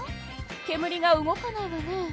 けむりが動かないわね。